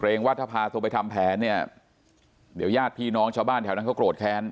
ว่าถ้าพาตัวไปทำแผนเนี่ยเดี๋ยวญาติพี่น้องชาวบ้านแถวนั้นเขาโกรธแค้น